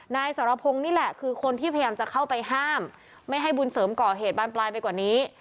นายสรพงศ์นี่แหละคือคนที่พยายามจะเข้าไปห้ามไม่ให้บุญเสริมก่อเหตุบานปลายไปกว่านี้